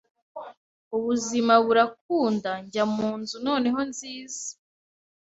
ubuzima burakunda njya munzu noneho nziza